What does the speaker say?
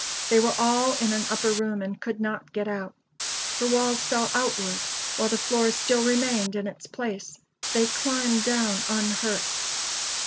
They were all in an upper room and could not get out. The walls fell outward, while the floor still remained in its place. They climbed down unhurt.